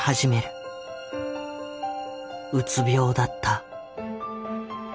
うつ病だった。